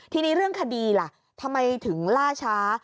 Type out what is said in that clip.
ทีนี้เรื่องคดีล่ะทำไมถึงล่าช้า